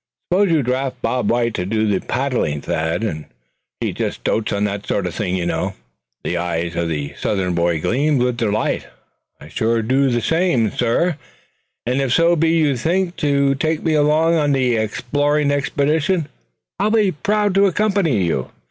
"Suppose you draft Bob White to do the paddling, Thad; he just dotes on that sort of thing, you know." The eyes of the Southern boy gleamed with delight. "I surely do the same, suh; and if so be you think to take me along on the exploring expedition I'll be proud to accompany you.